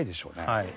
はい。